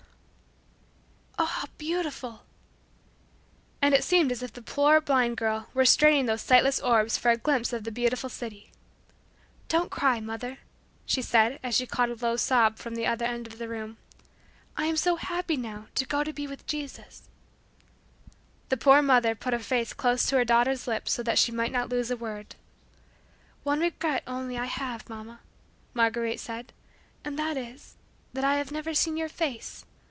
"Oh, how beautiful!" And it seemed as if the poor blind girl were straining those sightless orbs for a glimpse of the Beautiful City. "Don't cry, mother," she said as she caught a low sob from the other end of the room. "I am so happy now to go to be with Jesus in His City." The poor mother put her face close to her daughter's lips so that she might not lose a word. "One regret only I have, Mamma," Marguerite said; "and that is, that I have never seen your face.